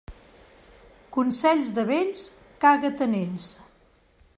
Consells de vells, caga't en ells.